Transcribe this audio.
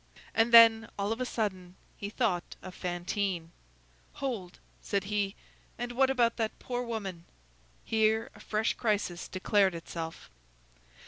And then, all of a sudden, he thought of Fantine. "Hold!" said he, "and what about that poor woman?" Here a fresh crisis declared itself.